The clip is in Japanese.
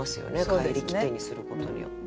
「帰りきて」にすることによって。